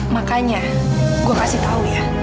makanya gue kasih tau ya